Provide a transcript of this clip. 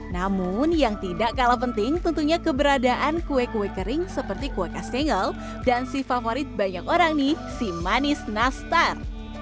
namun yang tidak kalah penting tentunya keberadaan kue kue kering seperti kue kastengel dan si favorit banyak orang nih si manis nastar